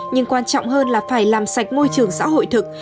nhưng quan trọng hơn là phải làm sạch môi trường xã hội thực